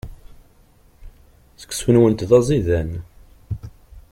Seksu-nwent d aẓidan.